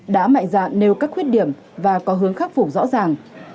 đã mạnh dạn nêu các khuyết điểm và có hướng khắc phục rõ ràng